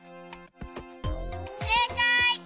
せいかい！